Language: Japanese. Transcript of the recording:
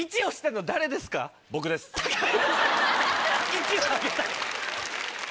１をあげた。